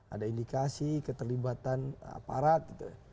ada indikasi keterlibatan aparat menekan kepala daerah agar kepala daerah mendukung petahana